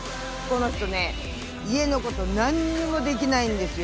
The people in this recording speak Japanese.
この人ね家の事なんにもできないんですよ。